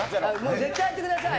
絶対やってください。